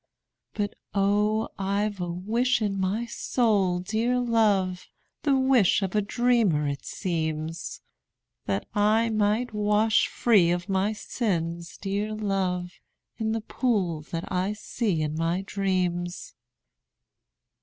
But, oh, I 've a wish in my soul, dear love, (The wish of a dreamer, it seems,) That I might wash free of my sins, dear love, In the pool that I see in my dreams.